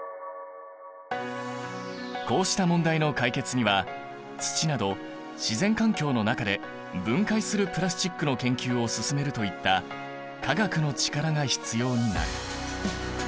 こうした問題の解決には土など自然環境の中で分解するプラスチックの研究を進めるといった化学の力が必要になる。